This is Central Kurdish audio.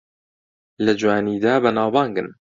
لە جوانیدا بەناوبانگن